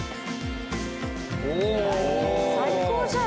おお！最高じゃん。